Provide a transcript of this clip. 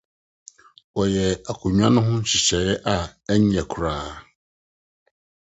Wɔyɛɛ nkongua no ho nhyehyɛe a ɛnyɛ koraa.